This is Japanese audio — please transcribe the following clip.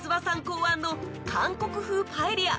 考案の韓国風パエリア